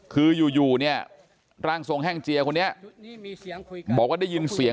คืออยู่เนี่ยร่างทรงแห้งเจียคนนี้บอกว่าได้ยินเสียง